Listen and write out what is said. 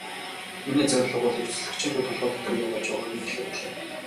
Миний зорилго бол өрсөлдөгчийнхөө толгой дотор юу болж байгааг мэдэх явдал юм.